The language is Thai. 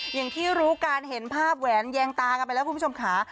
อย่างที่รู้กันเห็นภาพแหวนแยงตากันไปแล้วคุณผู้ชมค่ะ